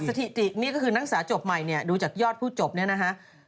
คือสถิตินี่ก็คือนักษาจบใหม่ดูจากยอดผู้จบ๓๐๐๐บาท